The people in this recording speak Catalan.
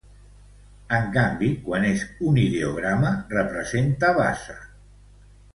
En canvi, quan és un ideograma, representa bassa.